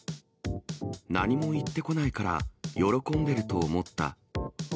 何も言ってこないから喜んでると思った。